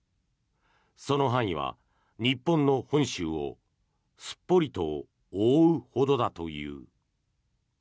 その範囲は日本の本州をすっぽりと覆うほどだという。